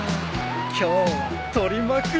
今日は撮りまくるぞ。